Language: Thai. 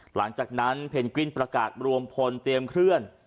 หลังจากนั้นเพนกวินประกาศรวมพลเตรียมเคลื่อน